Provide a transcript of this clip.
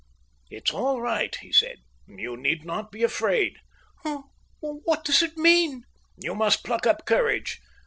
"It's all right," he said. "You need not be afraid." "Oh, what does it mean?" "You must pluck up courage.